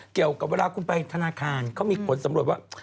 เกี่ยวกับเวลาคุณไปธนาคารเขามีผลสำรวจว่า